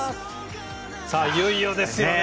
いよいよですよね。